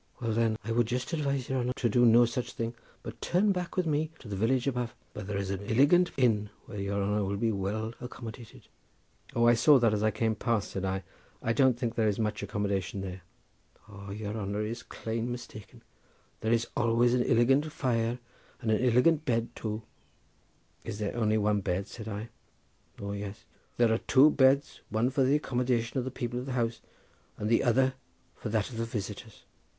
'" "Well, then, I would just advise your honour to do no such thing, but to turn back with me to the village above, where there is an illigant inn where your honour will be well accommodated." "O, I saw that as I came past," said I; "I don't think there is much accommodation there." "O, your honour is clane mistaken; there is always an illigant fire and an illigant bed too." "Is there only one bed?" said I. "O yes, there are two beds, one for the accommodation of the people of the house and the other for that of the visitors."